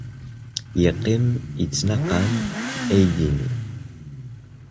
Yeqqim yettnaqam aydi-nni.